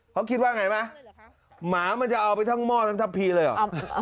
เขาคิดว่าไงไหมหมามันจะเอาไปทั้งหม้อทั้งทัพพีเลยเหรอ